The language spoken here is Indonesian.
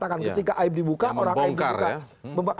bahkan ketika aib dibuka orang aib dibuka